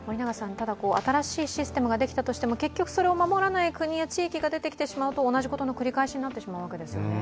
新しいシステムができたとしても結局守らない地域や国が出てきてしまうと同じことの繰り返しになってしまうわけですよね。